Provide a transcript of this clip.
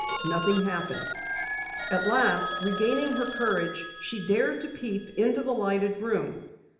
Nothing happened. At last, regaining her courage, she dared to peep into the lighted room.